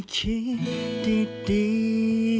ไม่คิดดี